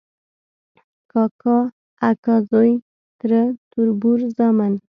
کاکا، اکا زوی ، تره، تربور، زامن ،